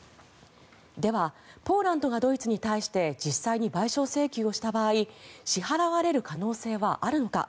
では、ポーランドがドイツに対して実際に賠償請求をした場合支払われる可能性はあるのか。